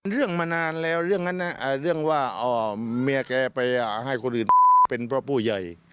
มานานแล้วเรื่องนั้นนะเรื่องว่าเมียแกไปให้คนอื่นเป็นเพราะผู้ใหญ่